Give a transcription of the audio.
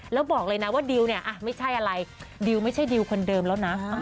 แล้วบอกเลยนะว่าดิวเนี่ยไม่ใช่อะไรดิวไม่ใช่ดิวคนเดิมแล้วนะ